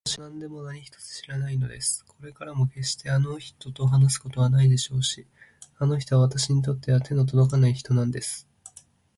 わたしは今でも何一つ知らないのです。これからもけっしてあの人と話すことはないでしょうし、あの人はわたしにとっては手のとどかない人なんです。